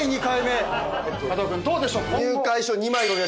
加藤君どうでしょう。